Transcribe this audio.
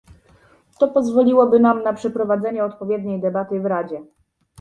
To pozwoliłoby nam na przeprowadzenie odpowiedniej debaty w Radzie